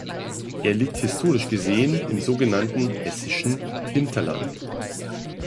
Er liegt historisch gesehen im sogenannten Hessischen Hinterland.